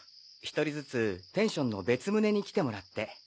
１人ずつペンションの別棟に来てもらって。